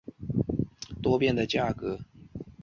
以下内容中新金州体育场将被称作金州体育场。